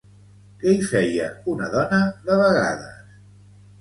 Què hi feia una dona de vegades?